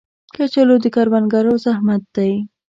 کچالو د کروندګرو زحمت دی